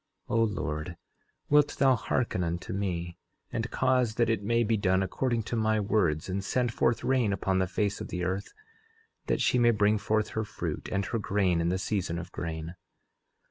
11:13 O Lord, wilt thou hearken unto me, and cause that it may be done according to my words, and send forth rain upon the face of the earth, that she may bring forth her fruit, and her grain in the season of grain.